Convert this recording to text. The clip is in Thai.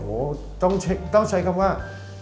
โอ้โหต้องใช้คำว่า